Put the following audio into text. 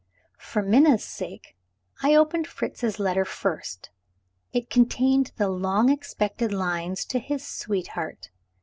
For Minna's sake, I opened Fritz's letter first. It contained the long expected lines to his sweetheart.